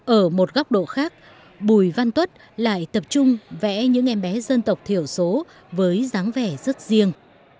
ở một góc độ khác bùi văn tuất lại tập trung vẽ những em bé dân tộc thiểu số với dáng vẻ rất riêng